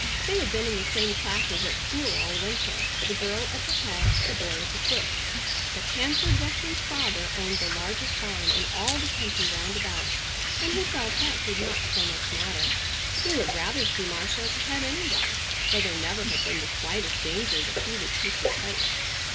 They had been in the same classes at school all winter, the girl at the head, the boy at the foot. But Hanford Weston's father owned the largest farm in all the country round about, and he felt that did not so much matter. He would rather see Marcia at the head anyway, though there never had been the slightest danger that he would take her place.